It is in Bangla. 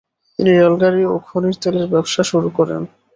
তিনি রেলগাড়ি ও খনির তেলের ব্যবসা শুরু করেন।